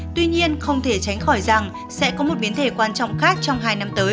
tuy nhiên không thể tránh khỏi rằng sẽ có một biến thể quan trọng khác trong hai năm tới